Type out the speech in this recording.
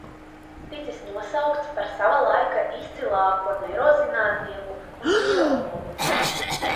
Ticis nosaukts par sava laika izcilāko neirozinātnieku un biologu.